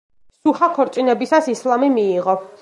სუჰა ქორწინებისას ისლამი მიიღო.